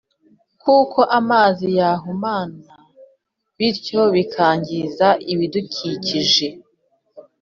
kuko amazi yahumana bityo bikangiza ibidukikije